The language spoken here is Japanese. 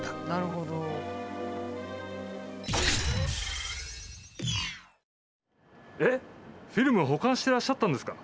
フィルムを保管してらっしゃったんですか？